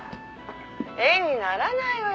「画にならないわよ